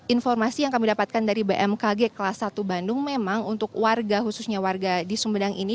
informasi yang kami dapatkan dari bmkg kelas satu bandung memang untuk warga khususnya warga di sumedang ini